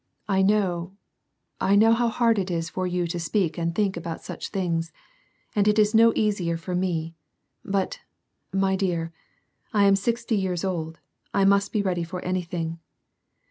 I know, I know how hard it is for you to speak and think about such things. And it is no easier for me ; but, my dear, I am sixty yeai'S old, I must be reaily for anything.